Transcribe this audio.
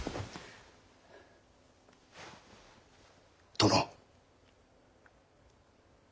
殿。